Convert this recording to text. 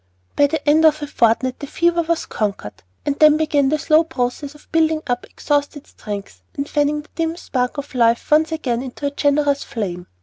By the end of a fortnight the fever was conquered, and then began the slow process of building up exhausted strength, and fanning the dim spark of life once again into a generous flame.